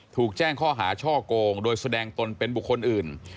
ถูกแจ้งข้อหาช่อกงโดยแสดงตนเป็นบุคคลอื่น